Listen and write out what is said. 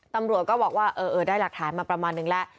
ตำรวจก็บอกว่าเออได้หลักฐานมาประมาณนึงแล้ว